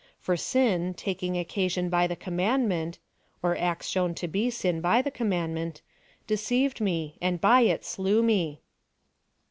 For sin, taking oc casion by the commandment, (or acts shown to be sin by the commandment,) deceived me, and by it slew me.